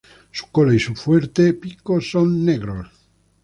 Su cola y su fuerte pico son negros.